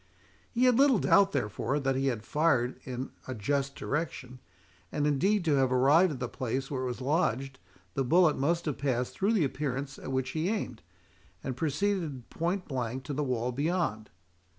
He had little doubt, therefore, that he had fired in a just direction; and indeed to have arrived at the place where it was lodged, the bullet must have passed through the appearance at which he aimed, and proceeded point blank to the wall beyond.